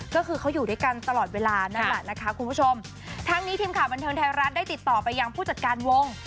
ก็คือเขาอยู่ด้วยกันตลอดเวลานั่นแหละนะคะคุณผู้ชมทั้งนี้ทีมข่าวบันเทิงไทยรัฐได้ติดต่อไปยังผู้จัดการวง